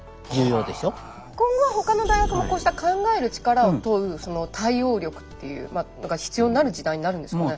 今後は他の大学もこうした考える力を問う対応力っていうのが必要になる時代になるんですかね？